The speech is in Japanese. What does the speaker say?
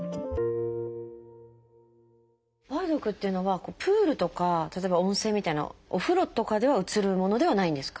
梅毒っていうのはプールとか例えば温泉みたいなお風呂とかではうつるものではないんですか？